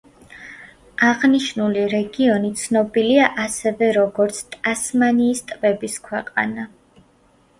აღნიშნული რეგიონი ცნობილია ასევე როგორც „ტასმანიის ტბების ქვეყანა“.